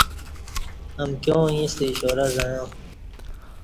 امکیاں ییںستہ اشارہ زعیاں